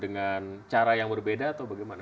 dengan cara yang berbeda atau bagaimana